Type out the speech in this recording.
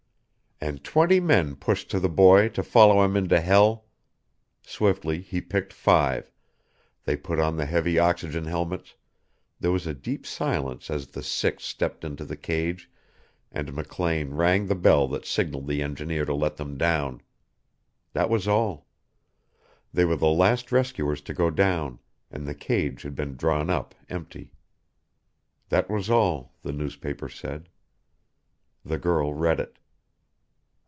And twenty men pushed to the boy to follow him into hell. Swiftly he picked five; they put on the heavy oxygen helmets; there was a deep silence as the six stepped into the cage and McLean rang the bell that signaled the engineer to let them down. That was all. They were the last rescuers to go down, and the cage had been drawn up empty. That was all, the newspaper said. The girl read it.